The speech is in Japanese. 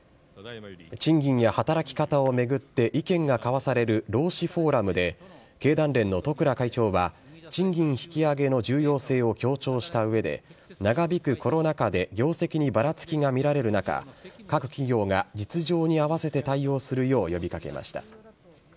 賃金や働き方を巡って意見が交わされる労使フォーラムで、経団連の十倉会長は、賃金引き上げの重要性を強調したうえで、長引くコロナ禍で業績にばらつきが見られる中、各企業が実情に合わせて対応するよう呼びかけました。